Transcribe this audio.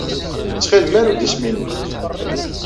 Ttxil-m, aru-d isem-nnem.